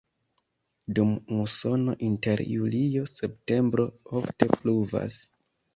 Dum musono inter julio-septembro ofte pluvas.